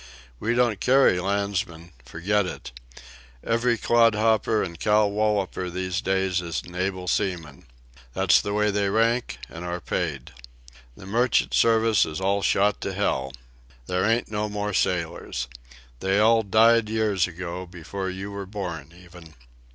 "We don't carry Landsmen!—forget it! Every clodhopper an' cow walloper these days is an able seaman. That's the way they rank and are paid. The merchant service is all shot to hell. There ain't no more sailors. They all died years ago, before you were born even."